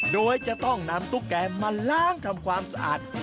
โดยจะต้องนำตุ๊กแกมาล้างทำความสะอาด